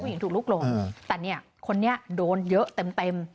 ถูกลุกหลงแต่เนี่ยคนนี้โดนเยอะเต็ม